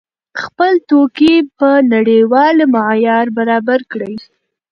خپل توکي په نړیوال معیار برابر کړئ.